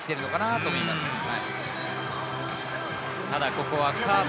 ここはカーブ。